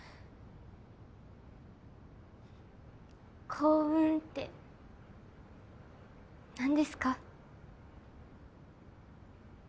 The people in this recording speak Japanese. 幸運って何ですか？